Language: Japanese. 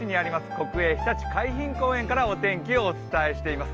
国営ひたち海浜公園からお天気をお伝えしています。